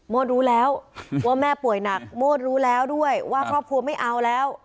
รู้แล้วว่าแม่ป่วยหนักโมดรู้แล้วด้วยว่าครอบครัวไม่เอาแล้ว